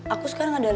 aku sekarang ada dapur